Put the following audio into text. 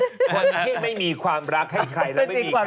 คนที่ไม่มีความรักให้ใครแล้วไม่มีใคร